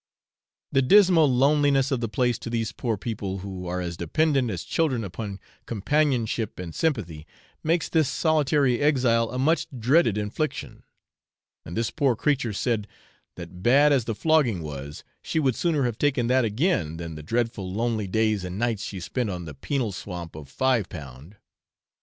The dismal loneliness of the place to these poor people, who are as dependent as children upon companionship and sympathy, makes this solitary exile a much dreaded infliction; and this poor creature said, that bad as the flogging was, she would sooner have taken that again than the dreadful lonely days and nights she spent on the penal swamp of Five Pound.